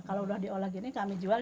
kalau udah diolah gini kami jual